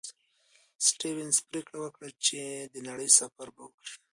سټيونز پرېکړه وکړه چې د نړۍ سفر به وکړي.